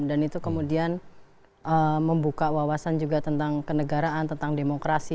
dan itu kemudian membuka wawasan juga tentang kenegaraan tentang demokrasi